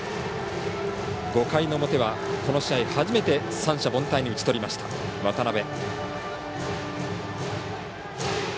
５回の表はこの試合初めて三者凡退に打ち取りました、渡邊。